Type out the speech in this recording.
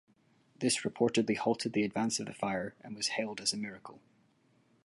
This reportedly halted the advance of the fire and was hailed as a miracle.